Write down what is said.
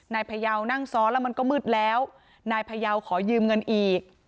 พยาวนั่งซ้อนแล้วมันก็มืดแล้วนายพยาวขอยืมเงินอีก